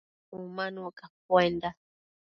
Umanuc capuenda